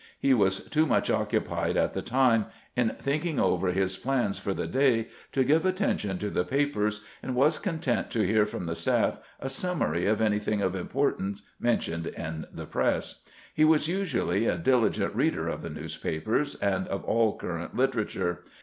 He was too much oc cupied at the time in thinking over his plans for the day to give attention to the papers, and was content to hear from the staff a summary of anything of importance mentioned in the press. He was usually a diligent reader of the newspapers and of all current literature.